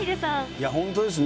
本当ですね。